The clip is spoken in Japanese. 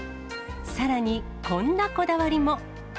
さらにこんなこだわりも。